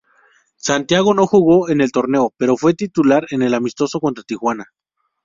Santiago no jugó en el torneo, pero fue titular en el amistoso contra Tijuana.